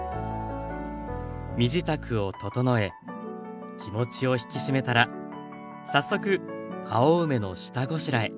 身支度を整え気持ちを引き締めたら早速青梅の下ごしらえ。